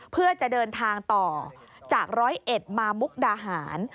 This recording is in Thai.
เพื่อจะเดินทางต่อจากร้อยเอ็ดมามุกดาหาร